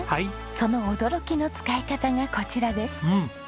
その驚きの使い方がこちらです。